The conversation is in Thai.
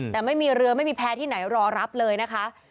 แต่ไม่มีเรือไม่มีแพ้ที่ไหนรอรับเลยนะคะ